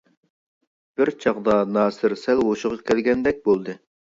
بىر چاغدا ناسىر سەل ھوشىغا كەلگەندەك بولدى.